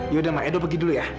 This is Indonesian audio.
yaudah ma edo pergi dulu ya